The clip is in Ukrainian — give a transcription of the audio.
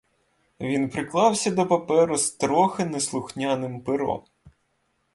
Він приклався до паперу з трохи неслухняним пером.